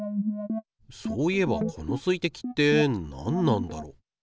そういえばこの水滴って何なんだろ。